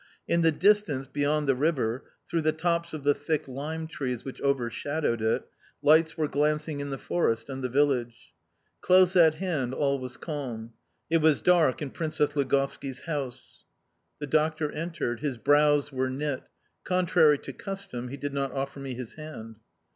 In the distance beyond the river, through the tops of the thick lime trees which overshadowed it, lights were glancing in the fortress and the village. Close at hand all was calm. It was dark in Princess Ligovski's house. The doctor entered; his brows were knit; contrary to custom, he did not offer me his hand.